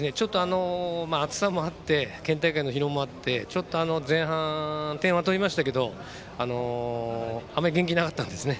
暑さもあり県大会の疲労もあってちょっと前半、点は取りましたがあまり元気がなかったんですね。